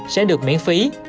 sẽ được miễn phí